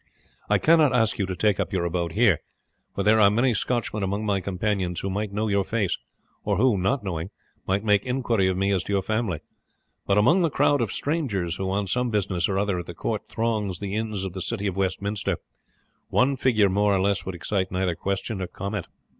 I cannot ask you to take up your abode here, for there are many Scotchmen among my companions who might know your face, or who, not knowing, might make inquiry of me as to your family; but among the crowd of strangers who on some business or other at the court throng the inns of the city of Westminster, one figure more or less would excite neither question nor comment."